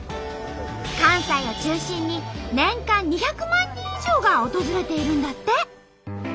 関西を中心に年間２００万人以上が訪れているんだって。